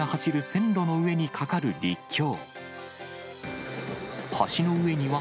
線路の上に架かる陸橋。